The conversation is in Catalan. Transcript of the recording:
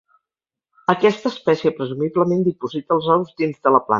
Aquesta espècie presumiblement diposita els ous dins de la planta.